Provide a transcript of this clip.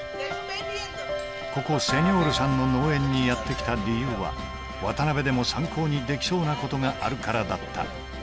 ここセニョールさんの農園にやってきた理由は渡辺でも参考にできそうなことがあるからだった